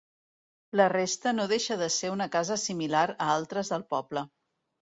La resta no deixa de ser una casa similar a altres del poble.